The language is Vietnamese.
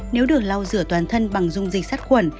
nếu được lau rửa toàn thân bằng dung dịch sát khuẩn